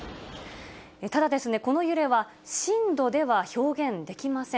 ただ、この揺れは震度では表現できません。